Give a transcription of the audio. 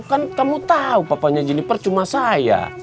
kan kamu tahu papanya jeliper cuma saya